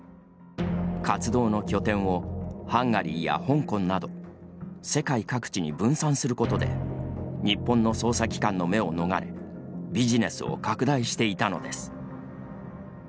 活動の拠点をハンガリーや香港など世界各地に分散することで日本の捜査機関の目を逃れビジネスを拡大していたのです。